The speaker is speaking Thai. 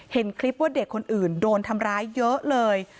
เห็นคลิปว่าเด็กคนอื่นโดนทำร้ายเยอะเลย